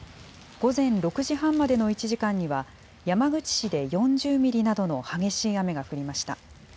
午前６時半までの１時間には、山口市で４０ミリなどの激しい雨が降りました。